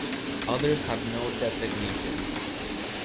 Others have no designations.